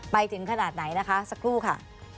ไปถึงขนาดไหนนะคะสักครู่ค่ะ